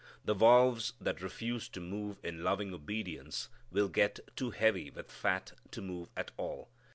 The valves that refuse to move in loving obedience will get too heavy with fat to move at all.